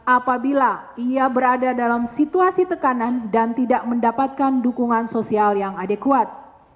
apabila ia berada dalam situasi tekanan dan tidak mendapatkan dukungan sosial yang adekuat